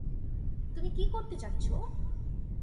তুমি কি করতে চাচ্ছো?